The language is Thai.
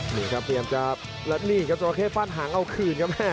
นี่ครับเตรียมจับและนี่กับโจรเข้ฟาดหางเอาคืนกับแม่